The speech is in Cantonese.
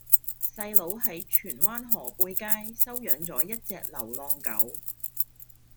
細佬喺荃灣河背街收養左一隻流浪狗